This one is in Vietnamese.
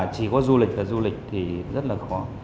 chỉ có du lịch và du lịch thì rất là khó